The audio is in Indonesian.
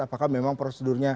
apakah memang prosedurnya